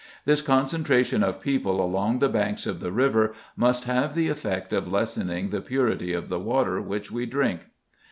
This concentration of people along the banks of the river must have the effect of lessening the purity of the water which we drink.